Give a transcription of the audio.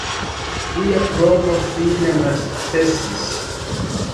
Lia provo fine malsukcesis.